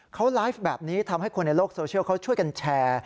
เขาไลฟ์แบบนี้ทำให้คนในโลกโซเชียลเขาช่วยกันแชร์